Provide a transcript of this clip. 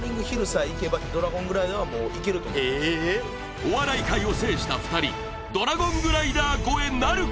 お笑い界を制した２人、ドラゴングライダー越えなるか。